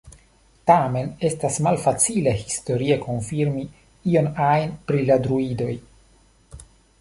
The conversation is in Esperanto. Tamen estas malfacile historie konfirmi ion ajn pri la Druidoj.